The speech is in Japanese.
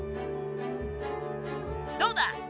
どうだ？